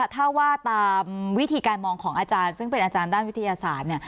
ถ้าว่าตามวิธีการมองของอาจารย์ซึ่งเป็นอาจารย์ด้านวิทยาศาสตร์